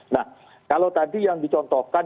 nah kalau tadi yang dicontohkan